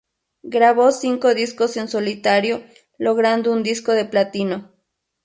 Grabó cinco discos en solitario, logrando un Disco de Platino.